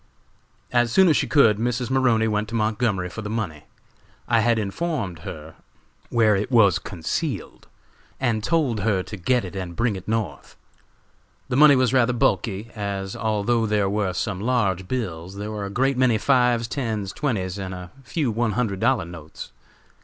"As soon as she could, Mrs. Maroney went to Montgomery for the money. I had informed her where it was concealed, and told her to get it and bring it North. "The money was rather bulky, as although there were some large bills, there were a great many fives, tens, twenties and a few one hundred dollar notes.